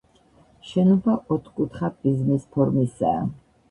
შენობა ოთხკუთხა პრიზმის ფორმისაა.